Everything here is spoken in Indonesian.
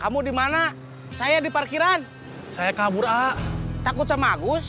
aku bisa mencintaiagi yang tapi republican